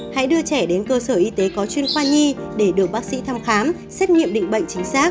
hãy đưa trẻ đến cơ sở y tế có chuyên khoa nhi để được bác sĩ thăm khám xét nghiệm định bệnh chính xác